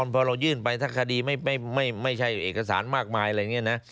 พอเรายื่นไปถ้าคดีไม่ใช่เอกสารมากมายอะไรอย่างนี้นะ